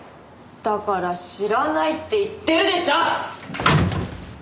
だから知らないって言ってるでしょう！